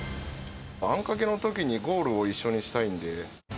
あんかけのときにゴールを一緒にしたいんで。